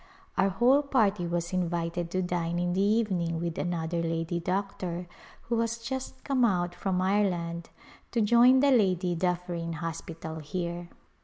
Our whole party was invited to dine in the evening with another lady doctor who has just come out from Ire land to join the Lady DufFerin Hospital here.